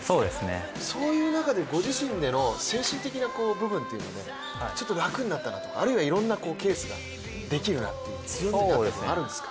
そういう中でご自身での精神的な部分、ちょっと楽になったな、あるいはいろんなケースができるなというような強みがあるんですか？